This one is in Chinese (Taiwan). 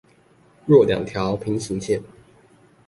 若兩條平行線